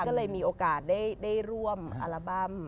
ก็เลยมีโอกาสได้ร่วมอัลบั้ม